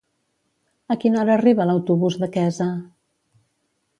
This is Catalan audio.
A quina hora arriba l'autobús de Quesa?